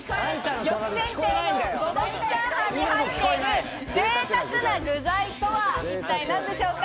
玉泉亭の五目チャーハンに入っているぜいたくな具材とは一体何でしょうか。